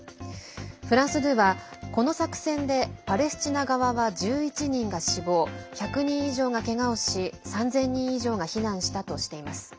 フランス２は、この作戦でパレスチナ側は１１人が死亡１００人以上がけがをし３０００人以上が避難したとしています。